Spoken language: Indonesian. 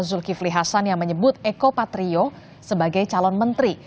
zulkifli hasan yang menyebut eko patrio sebagai calon menteri